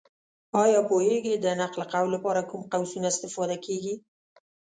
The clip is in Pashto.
ایا پوهېږې! د نقل قول لپاره کوم قوسونه استفاده کېږي؟